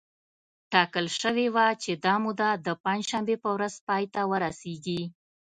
ټاکل شوې وه چې دا موده د پنجشنبې په ورځ پای ته ورسېږي